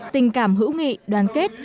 tình cảm hữu nghị đoàn kết